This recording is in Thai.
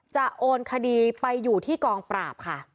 โอนคดีไปอยู่ที่กองปราบค่ะ